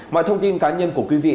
mọi thông tin cá nhân của quý vị